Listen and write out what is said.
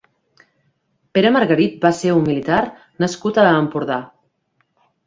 Pere Margarit va ser un militar nascut a Empordà.